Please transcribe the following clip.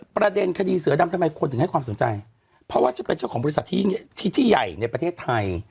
ประเด็นคดีเสือดำทำไมคนถึงให้ความสนใจเพราะว่าจะเป็นเจ้าของบริษัทที่ที่ใหญ่ในประเทศไทย